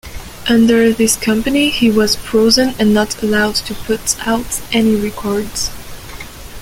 Under this company he was 'frozen' and not allowed to put out any records.